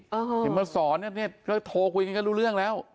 เห็นเมื่อสองก็โทรคุยกันก็รู้เรื่องแล้ว